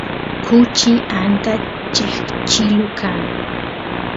kuchi ancha cheqchilu kan